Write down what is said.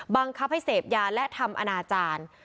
บังคับให้เสพยาและทำอนาจารย์